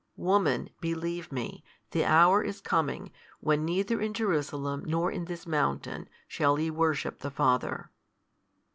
Woman, believe Me, the hour is coming, when neither in Jerusalem nor in this mountain, shall ye worship the Father.